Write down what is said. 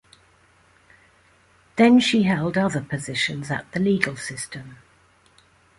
Then she held other positions at the legal system.